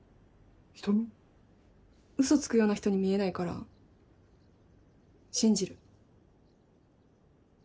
嘘つくような人に見えないから信じる。